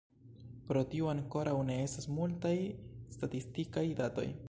Pro tio ankoraŭ ne estas multaj statistikaj datoj.